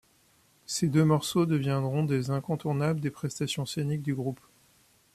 Ces deux morceaux deviendront des incontournables des prestations scéniques du groupe.